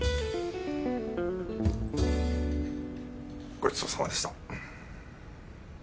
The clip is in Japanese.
ごちそうさまでした。